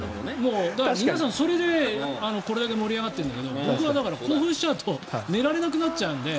皆さんそれで盛り上がっているんだけど僕は興奮しちゃうと寝られなくなっちゃうので。